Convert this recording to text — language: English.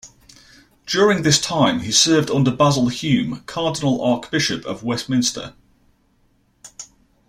During this time he served under Basil Hume, Cardinal Archbishop of Westminster.